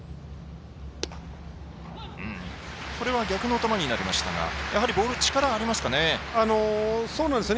これは逆の球になりましたがやはりボールに力がありますかね。